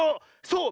そう！